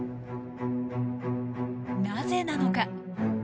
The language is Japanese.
なぜなのか。